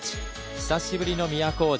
久しぶりの都大路。